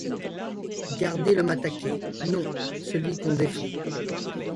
Garder l'homme attaqué ! Non, celui qu'on défend